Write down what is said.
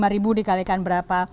rp dua puluh lima dikalikan berapa